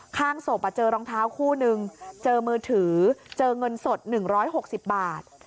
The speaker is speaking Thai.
ข้างศพอ่ะเจอรองเท้าคู่หนึ่งเจอมือถือเจอเงินสดหนึ่งร้อยหกสิบบาท